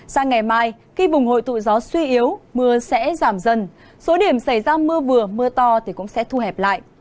sang ngày mai khi vùng hội tụ gió suy yếu mưa sẽ giảm dần số điểm xảy ra mưa vừa mưa to thì cũng sẽ thu hẹp lại